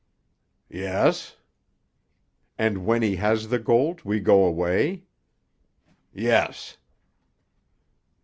"Yes." "And when he has the gold we go away?" "Yes."